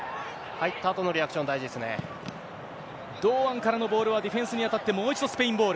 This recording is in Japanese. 入ったあとのリアクション、堂安からのボールは、ディフェンスにあたって、もう一度、スペインボール。